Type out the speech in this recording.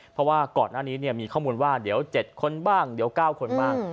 เพราะว่าก่อนหน้านี้มีข้อมูลว่าเดี๋ยว๗คนบ้างเดี๋ยว๙คนบ้าง